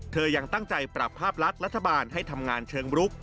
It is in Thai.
ยังตั้งใจปรับภาพลักษณ์รัฐบาลให้ทำงานเชิงรุก